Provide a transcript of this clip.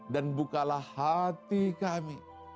dan bukalah hati kami